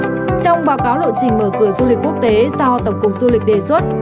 trong báo cáo lộ trình mở cửa du lịch quốc tế do tổng cục du lịch đề xuất